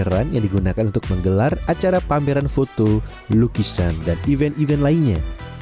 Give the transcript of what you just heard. keran yang digunakan untuk menggelar acara pameran foto lukisan dan event event lainnya